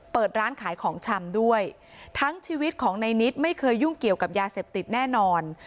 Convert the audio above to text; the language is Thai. เปิดร้านขายของชำด้วยทั้งชีวิตของในนิดไม่เคยยุ่งเกี่ยวกับยาเสพติดแน่นอน